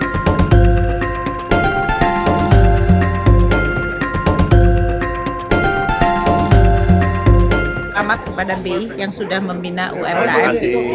selamat kepada bi yang sudah membina umkm